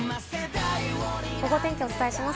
ゴゴ天気お伝えします。